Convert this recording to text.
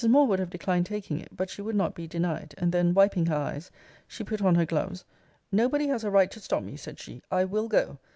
Moore would have declined taking it; but she would not be denied; and then, wiping her eyes, she put on her gloves nobody has a right to stop me, said she! I will go!